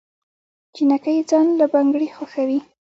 جينکۍ ځان له بنګړي خوښوي